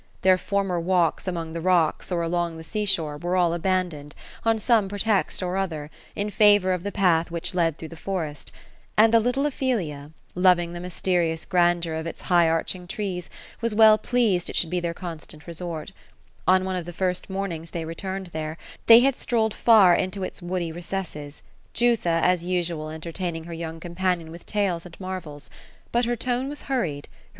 Their former walks among the rocks, or along the sea shore, wore all abandoned, on some pretext or other, in favor of the path which led through the forest ; and the little Ophelia, loving the mysterious grandeur of its high arching trees, was well pleased it should be their constant resort On one of the first roomings they returned there, they had strolled far into its woody recesses, Jutha, as usual, en tertaining her young companion with tales and marvels ; but her tone was hurried, her